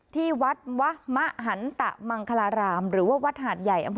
ที่วัดวะมะหันตะมังคลารามหรือว่าวัดหาดใหญ่อำเภอ